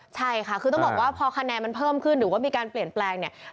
ใช่ค่ะคือต้องบอกว่าพอคะแนนมันเพิ่มขึ้นหรือว่ามีการเปลี่ยนแปลงเนี่ย